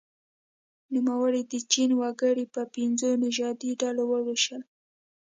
نوموړي د چین وګړي په پنځو نژادي ډلو وویشل.